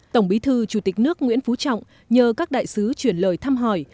tổng bí thư chủ tịch nước nguyễn phú trọng nhờ các đại sứ chuyển lời thăm hỏi